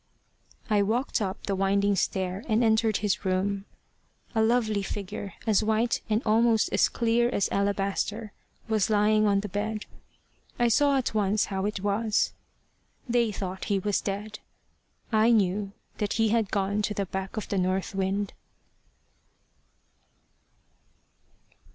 I walked up the winding stair, and entered his room. A lovely figure, as white and almost as clear as alabaster, was lying on the bed. I saw at once how it was. They thought he was dead. I knew that he had gone to the back of the north wind.